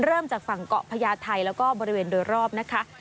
เริ่มจากฝั่งเกาะพญาไทยแล้วก็บริเวณโดยรอบนะคะ